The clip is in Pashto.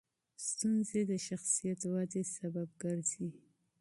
ستونزې د شخصیت ودې سبب ګرځي.